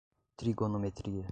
trigonometria